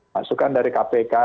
masukan dari kpk